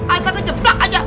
asal ngejeblak aja